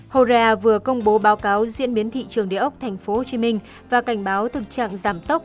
hora vừa công bố báo cáo diễn biến thị trường đề ốc tp hcm và cảnh báo thực trạng giảm tốc